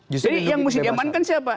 jadi yang mesti diamankan siapa